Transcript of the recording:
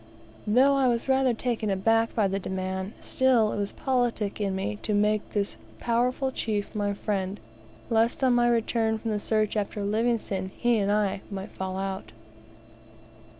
Though I was rather taken aback by the demand, still it was politic in me to make this powerful chief my friend, lest on my return from the search after Livingstone he and I might fall out.